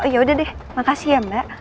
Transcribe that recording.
oh yaudah deh makasih ya mbak